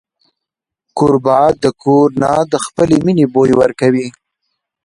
کوربه د کور نه د خپلې مینې بوی ورکوي.